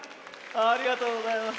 ありがとうございます。